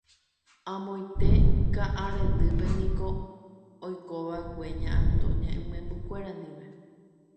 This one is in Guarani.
Amoite Ka'arendýpe niko oikova'ekue Ña Antonia imembykuéra ndive.